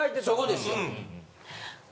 そこですよ。